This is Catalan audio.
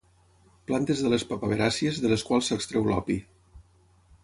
Plantes de les papaveràcies de les quals s'extreu l'opi.